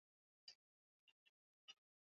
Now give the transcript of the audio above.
Moyo wangu ulitakaswa.